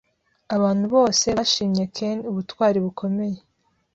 Abantu bose bashimye Ken ubutwari bukomeye.